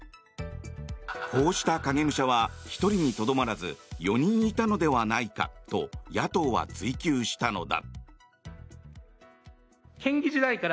こうした影武者は１人にとどまらず４人いたのではないかと野党は追及したのだ。